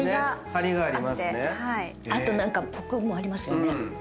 あとコクもありますよね。